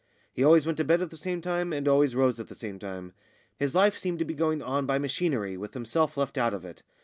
He always went to bed at the same time, and always rose at the same time. His life seemed to be going on by machinery with himself left out of it.